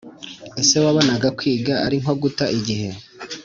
Ese wabonaga kwiga ari nko guta igihe